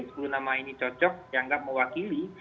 sepuluh nama ini cocok dianggap mewakili